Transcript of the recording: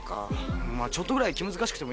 まあちょっとぐらい気難しくてもいいよ。